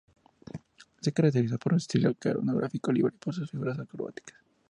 Se caracteriza por su estilo coreográfico libre y por sus figuras acrobáticas.